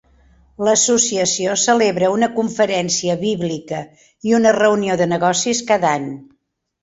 L'associació celebra una Conferència Bíblica i una reunió de negocis cada any.